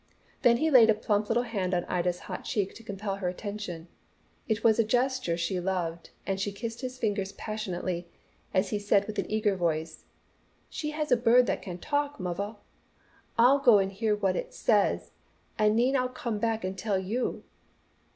Then he laid his plump little hand on Ida's hot cheek to compel her attention. It was a gesture she loved, and she kissed his fingers passionately as he said with an eager voice, "She has a bird that can talk, muv'ah. I'll go and hear what it says an' n'en I'll come back an' tell you."